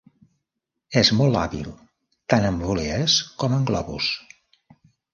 És molt hàbil tant amb volees com amb globus.